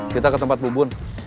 kita ke tempat bubun